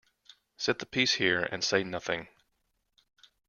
Set the piece here and say nothing.